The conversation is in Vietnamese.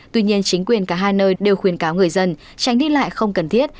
tuy nhiên chính quyền cả hai nơi đều khuyến cáo người dân tránh đi lại không cần thiết